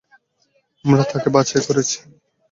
আমরা তাকে বাছাই করেছি।